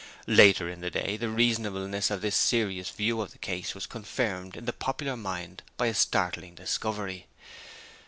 Later in the day, the reasonableness of this serious view of the case was confirmed in the popular mind by a startling discovery.